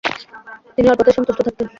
তিনি অল্পতেই সন্তুষ্ট থাকতেন।